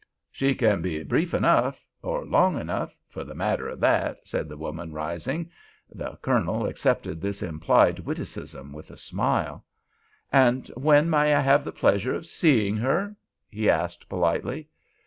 "She kin be brief enough—or long enough—for the matter of that," said the woman, rising. The Colonel accepted this implied witticism with a smile. "And when may I have the pleasure of seeing her?" he asked, politely.